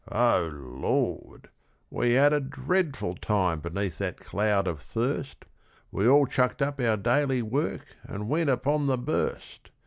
'Oh, Lord! we had a dreadful time beneath that cloud of thirst! We all chucked up our daily work and went upon the burst.